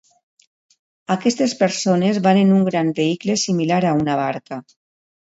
Aquestes persones van en un gran vehicle similar a una barca.